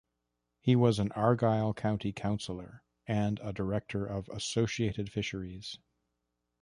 He was an Argyll County Councillor and a director of Associated Fisheries.